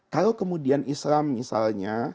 kalau kemudian islam misalnya